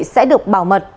sẽ được bảo mật